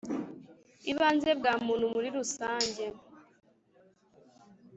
ibanze bwa muntu muri rusange